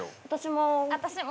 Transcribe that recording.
私も。